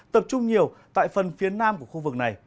tập trung nhiều tại phần phía nam của khu vực này